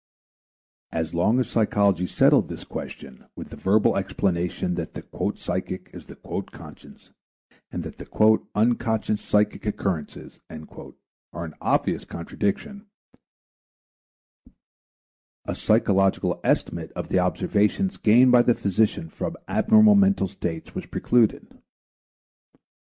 As long as psychology settled this question with the verbal explanation that the "psychic" is the "conscious" and that "unconscious psychic occurrences" are an obvious contradiction, a psychological estimate of the observations gained by the physician from abnormal mental states was precluded.